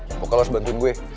pokoknya lo harus bantuin gue